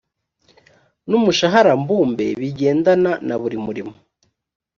n umushahara mbumbe bigendana na buri murimo